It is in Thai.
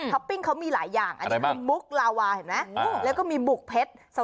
ท็อปปิ้งเขามีหลายอย่างมุกลาวาแล้วก็มีบุกเพชร